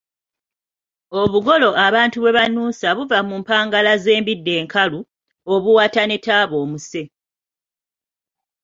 "Obugolo abantu bwe banuusa buva mu mpagala z’embidde enkalu, mu buwata ne mu taaba omuse."